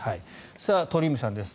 鳥海さんです。